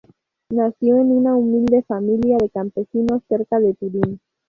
Nació en una humilde familia de campesinos cerca de Turín.